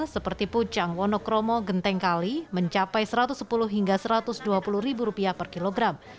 seperti pucang wonokromo genteng kali mencapai rp satu ratus sepuluh hingga rp satu ratus dua puluh per kilogram